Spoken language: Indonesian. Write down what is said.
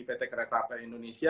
pt kereta api indonesia